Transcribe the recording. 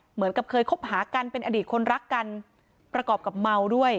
เหมือนกับเคยคบหากันเป็นอดีตคนรักกันประกอบกับเมาด้วย